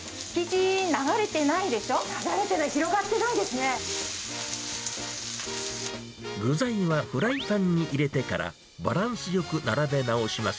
流れてない、広がってないで具材はフライパンに入れてから、バランスよく並べ直します。